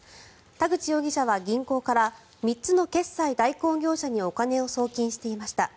田口容疑者は銀行から３つの決済代行業者にお金を送金していました。